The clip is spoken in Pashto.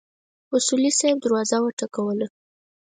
اصولي صیب دروازه وټکوله.